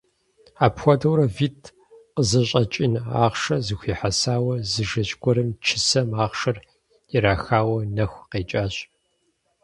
Апхуэдэурэ витӀ къызыщӀэкӀын ахъшэ зэхуихьэсауэ, зы жэщ гуэрым чысэм ахъшэр ирахауэ нэху къекӀащ.